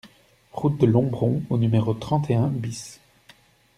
Route de Lombron au numéro trente et un BIS